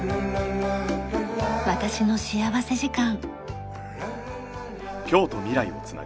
『私の幸福時間』。